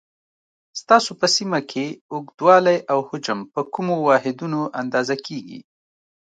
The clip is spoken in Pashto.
ستاسو په سیمه کې اوږدوالی او حجم په کومو واحدونو اندازه کېږي؟